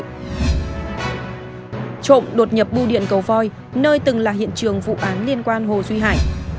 trộm đột nhập bưu điện cầu voi nơi từng là hiện trường vụ án liên quan hồ duy hải